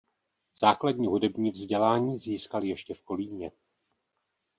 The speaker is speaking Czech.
Základní hudební vzdělání získal ještě v Kolíně.